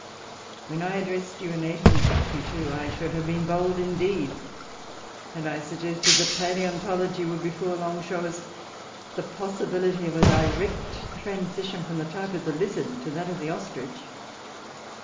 When I addressed you in 1862, I should have been bold indeed had I suggested that palaeontology would before long show us the possibility of a direct transition from the type of the lizard to that of the ostrich.